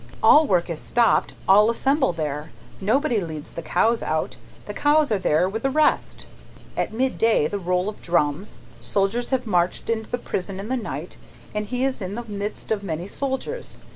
"All work is stopped, all assemble there, nobody leads the cows out, the cows are there with the rest. At midday, the roll of drums. Soldiers have marched into the prison in the night, and he is in the midst of many soldiers.